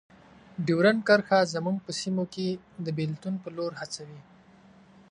ډیورنډ کرښه زموږ په سیمو کې د بیلتون په لور هڅوي.